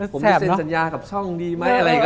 ผมเซ็นสัญญากับช่องดีไหมอะไรอย่างนี้